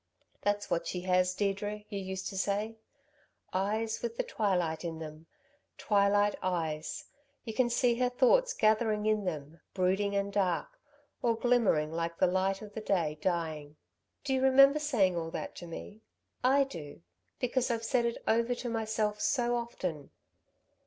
That's what she has, Deirdre,' you used to say; 'eyes with the twilight in them twilight eyes you can see her thoughts gathering in them, brooding and dark, or glimmering like the light of the day, dying,' Do you remember saying all that to me? I do; because I've said it over to myself so often."